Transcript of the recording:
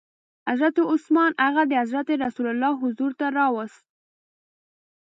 حضرت عثمان هغه د حضرت رسول ص حضور ته راووست.